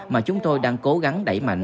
mà chúng tôi đang cố gắng đẩy mạnh